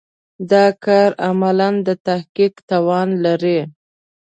دا کار عملاً د تحقق توان لري.